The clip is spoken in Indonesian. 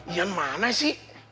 ian mana sih